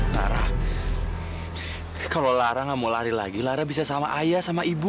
lara kalau lara nggak mau lari lagi lara bisa sama ayah sama ibu